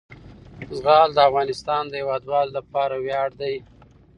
زغال د افغانستان د هیوادوالو لپاره ویاړ دی.